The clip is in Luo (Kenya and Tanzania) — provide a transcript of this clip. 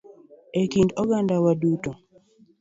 E kind oganda wa duto